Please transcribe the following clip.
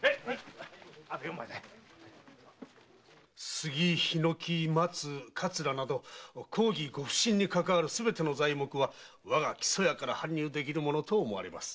杉桧松桂など公儀ご普請にかかわるすべての材木は我が木曽屋から搬入できるものと思われます。